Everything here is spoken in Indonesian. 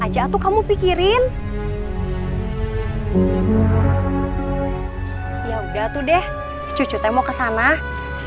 masa perempuan yang kerja suami yang urus anak